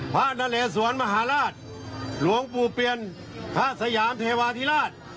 พระนาเลสวรรค์มหาราชหลวงปู่เปลี่ยนข้าสยามเทวาธิราช